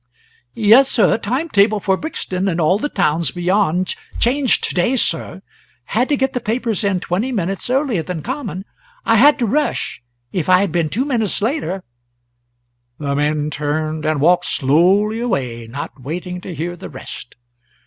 "Yes, sir. Time table for Brixton and all the towns beyond changed to day, sir had to get the papers in twenty minutes earlier than common. I had to rush; if I had been two minutes later " The men turned and walked slowly away, not waiting to hear the rest.